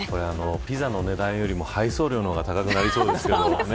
ピザの値段よりも配送料の方が高くなりそうですけどね。